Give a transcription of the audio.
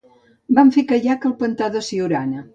Vam fer caiac al pantà de Siurana.